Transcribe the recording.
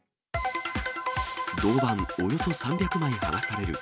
銅板およそ３００枚剥がされる。